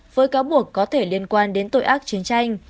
với cáo buộc có thể liên quan đến tội ác chiến tranh